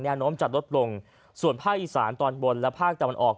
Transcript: โน้มจะลดลงส่วนภาคอีสานตอนบนและภาคตะวันออก